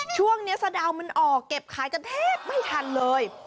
ช่วงนี้สะดาวมันออกเก็บขายกันแทบไม่ทันเลย